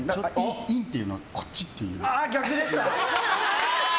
インっていうのはこっちっていう意味。